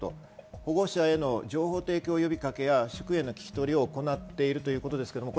保護者への情報提供の呼びかけや職員への聞き取りを行っていると。